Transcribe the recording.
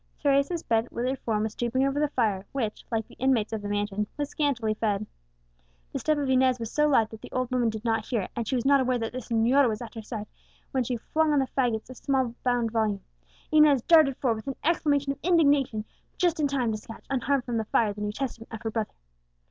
Teresa's bent, withered form was stooping over the fire, which, like the inmates of the mansion, was very scantily fed. The step of Inez was so light that the old woman did not hear it, and she was not aware that the señorita was at her side, when she flung on the fagots a small bound volume. Inez darted forward, with an exclamation of indignation, just in time to snatch unharmed from the fire the New Testament of her brother.